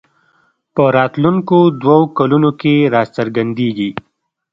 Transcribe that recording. په راتلونکو دوو کلونو کې راڅرګندېږي